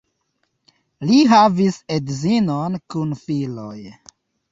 Li havis edzinon kun filoj.